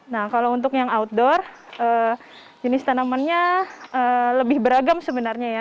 nah kalau untuk yang outdoor jenis tanamannya lebih beragam sebenarnya ya